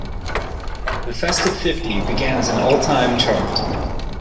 The Festive Fifty began as an all-time chart.